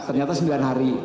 ternyata sembilan hari